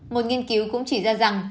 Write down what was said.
một nghiên cứu cũng chỉ ra rằng